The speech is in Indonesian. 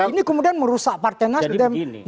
ini kemudian merusak partai nasdem